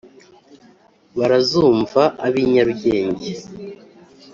barazumva ab' i nyarugenge